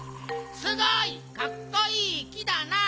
すごいかっこいい木だなあ！